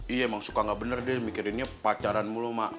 iya emang suka gak bener deh mikirinnya pacaran mulu mbak